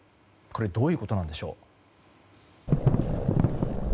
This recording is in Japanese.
どういうことなんでしょう。